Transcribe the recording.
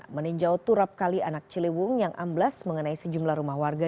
meninjau turap kali anak ciliwung yang amblas mengenai sejumlah rumah warga